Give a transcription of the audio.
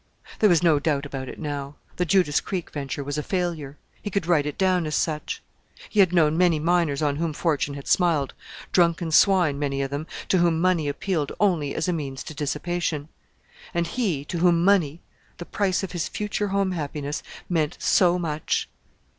There was no doubt about it now. The Judas Creek venture was a failure: he could write it down as such. He had known many miners on whom Fortune had smiled; drunken swine, many of them, to whom money appealed only as a means to dissipation. And he, to whom money the price of his future home happiness meant so much!